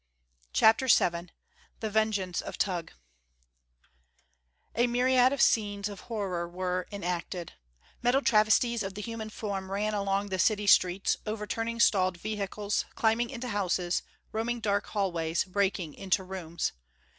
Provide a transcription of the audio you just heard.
CHAPTER VII The Vengeance of Tugh A myriad individual scenes of horror were enacted. Metal travesties of the human form ran along the city streets, overturning stalled vehicles, climbing into houses, roaming dark hallways, breaking into rooms.